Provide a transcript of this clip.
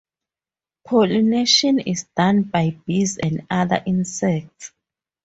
Pollination is done by bees and other insects.